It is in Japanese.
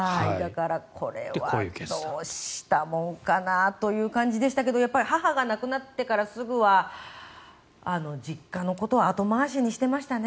これはどうしたもんかなという感じでしたがやっぱり母が亡くなってからすぐは実家のことは後回しにしてましたね